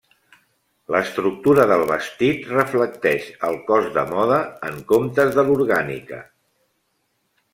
L'estructura del vestit reflecteix el cos de moda en comptes de l'orgànica.